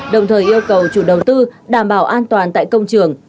đồng thời yêu cầu chủ đầu tư đảm bảo an toàn tại công trường